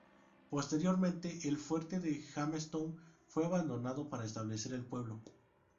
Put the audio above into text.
Posteriormente el fuerte de Jamestown fue abandonado para establecer el pueblo.